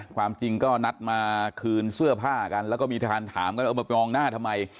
ความจริงก็นัดมาคืนเสื้อผ้ากันแล้วก็มีทานถามกันเอามากองหน้าทำไม